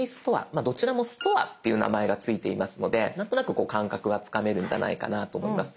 まあどちらもストアっていう名前が付いていますので何となくこう感覚がつかめるんじゃないかなと思います。